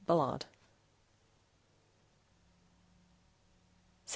BULLARD SEC.